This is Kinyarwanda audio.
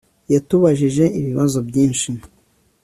Yatubajije ibibazo byinshi